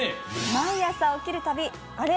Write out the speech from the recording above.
毎朝起きるたびあれ？